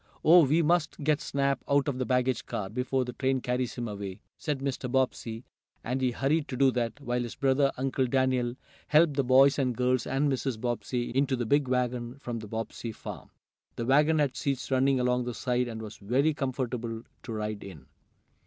"Oh, we must get Snap out of the baggage car, before the train carries him away," said Mr. Bobbsey, and he hurried to do that, while his brother, Uncle Daniel, helped the boys and girls and Mrs. Bobbsey into the big wagon from the Bobbsey farm. The wagon had seats running along the side and was very comfortable to ride in.